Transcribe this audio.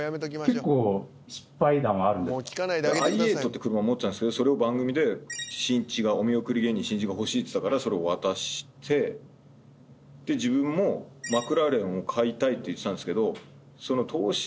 ｉ８って車持ってたんですけどそれを番組でお見送り芸人しんいちが欲しいっつったからそれを渡して自分もマクラーレンを買いたいって言ってたんですけど。